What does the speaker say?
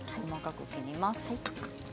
細かく切ります。